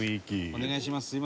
お願いします